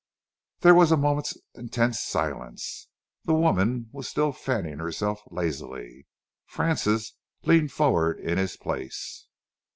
There was a moment's intense silence. The woman was still fanning herself lazily. Francis leaned forward in his place.